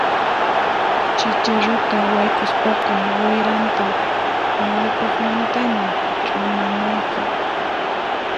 Chicharuta wayk'uspaqa wiranta ñawpaqmantaña ch'umanayki.